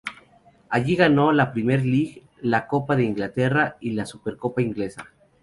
Allí ganó la Premier League, la Copa de Inglaterra y la Supercopa inglesa.